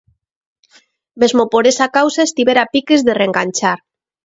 Mesmo por esa causa estivera a piques de reenganchar.